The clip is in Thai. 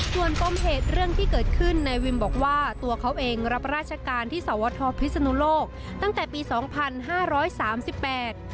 ส่วนปมเหตุเรื่องที่เกิดขึ้นนายวิมบอกว่าตัวเขาเองรับราชการที่สวทพิศนุโลกตั้งแต่ปีสองพันห้าร้อยสามสิบแปด